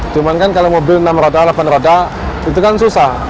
cuman kan kalau mobil enam roda delapan roda itu kan susah